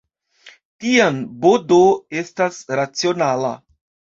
Tiam, "b-d" estas racionala.